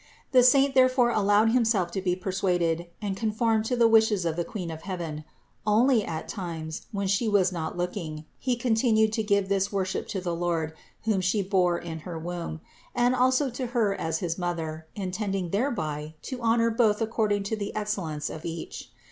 The saint therefore allowed himself to be persuaded and conformed to the wishes of the Queen of heaven ; only at times, when She was not looking, he continued to give this worship to the Lord whom She bore in her womb, and also to Her as his Mother, intending thereby to honor Both according to the excellence of Each.